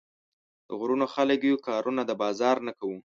د غرونو خلک يو، کارونه د بازار نۀ کوو